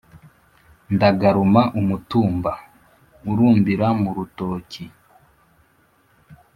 ndagaruma umutumba urumbira mu rutoki: